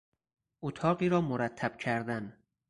اتاقی را مرتب کردن